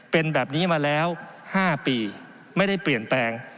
เป็นแบบนี้มาแล้ว๕ปีไม่ได้เปลี่ยนแปลง